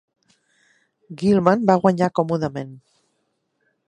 GiIman va guanyar còmodament.